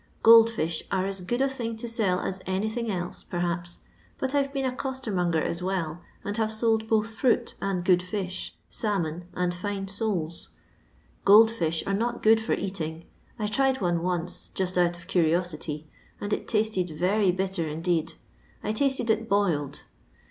Gold fish are as good a thing to sell aa anything else, perhaps, but I 'to been a eoetermonger as well, and haye sold both fruit and good fiih salmon and fine soles. Gold fish are not good for eating. I tried one once, just out of curiosity, and it tasted very bitter indeed ; I tasted it boiled.